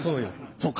そうか。